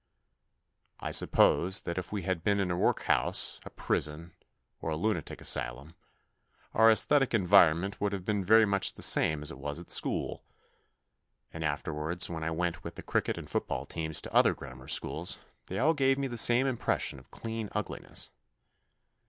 I suppose that if we had been in a workhouse, a prison, or a lunatic asylum, our aesthetic environment would have been very much the same as it was at school ; and afterwards when I went with the cricket and football teams to other grammar schools they all gave me the same impression of clean 64 THE NEW BOY ugliness.